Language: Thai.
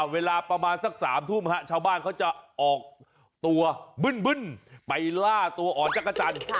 เวลาประมาณสัก๓ทุ่มชาวบ้านเขาจะออกตัวบึ้นไปล่าตัวอ่อนจักรจันทร์